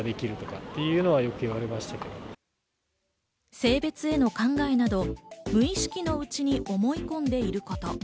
性別への考えなど、無意識のうちに思い込んでいること。